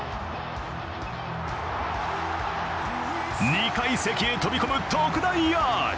２階席へ飛び込む特大アーチ。